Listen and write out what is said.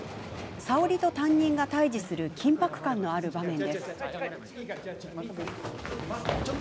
早織と担任が対じする緊迫感のある場面です。